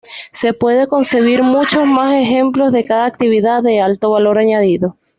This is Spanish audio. Se puede concebir muchos más ejemplos de cada actividad de 'alto valor añadido'.